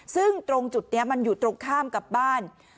ซึ่งตรงจุดนี้มันอยู่ตรงข้ามกับบ้าน